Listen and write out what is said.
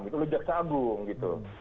itu lejak sagung gitu